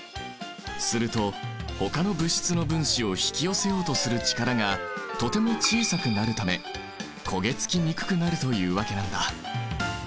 するとほかの物質の分子を引き寄せようとする力がとても小さくなるため焦げ付きにくくなるというわけなんだ。